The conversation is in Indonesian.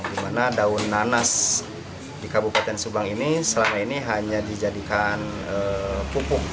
dimana daun nanas di kabupaten subang ini selama ini hanya dijadikan pupuk